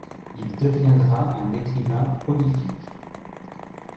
Il deviendra un écrivain prolifique.